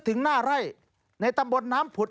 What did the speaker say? ถึงหน้าไร่ในตำบลน้ำผุด